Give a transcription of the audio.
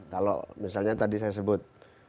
kalau misalnya tadi saya sebut